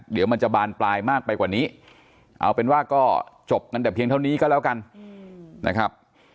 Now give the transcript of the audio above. เดี๋ยวมันจะบานปลายมากไปกว่านี้เอาเป็นว่าก็จบกันแต่เพียงเท่านี้ก็แล้วกันนะครับ